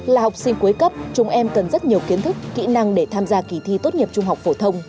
là học sinh cuối cấp chúng em cần rất nhiều kiến thức kỹ năng để tham gia kỳ thi tốt nghiệp trung học phổ thông